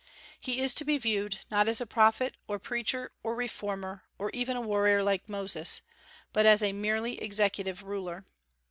He is to be viewed, not as a prophet, or preacher, or reformer, or even a warrior like Moses, but as a merely executive ruler.